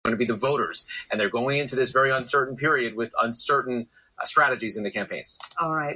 He later also published another book Burma surgeon returns.